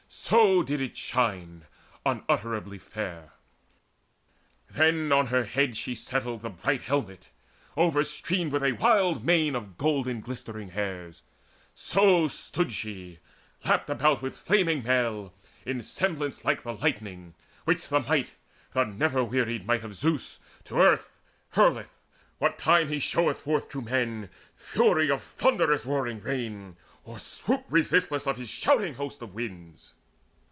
So did it shine Unutterably fair. Then on her head She settled the bright helmet overstreamed With a wild mane of golden glistering hairs. So stood she, lapped about with flaming mail, In semblance like the lightning, which the might, The never wearied might of Zeus, to earth Hurleth, what time he showeth forth to men Fury of thunderous roaring rain, or swoop Resistless of his shouting host of winds.